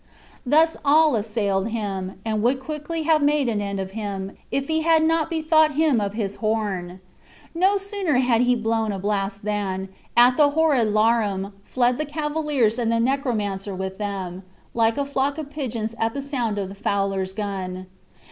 Thus all assailed him, and would quickly have made an end of him, if he had not bethought him of his horn. No sooner had he blown a blast than, at the horrid larum, fled the cavaliers and the necromancer with them, like a flock of pigeons at the sound of the fowler's gun.